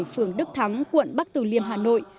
phường đức thắng quận bắc từ liêm hà nội